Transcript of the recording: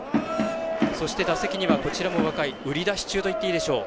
そして、打席にはこちらも若い売り出し中といっていいでしょう